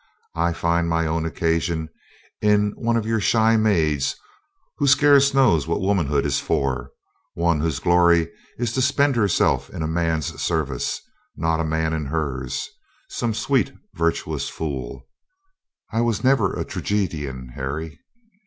I find mine own occasion in one of your shy maids who scarce knows what womanhood is for — one whose glory is to spend herself in a man's service, not a man in hers — some sweet, virtuous fool. I was never a tragedian, Harry."